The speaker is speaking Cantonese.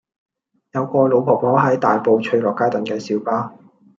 有個老婆婆喺大埔翠樂街等緊小巴